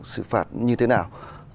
sự phạt như thế nào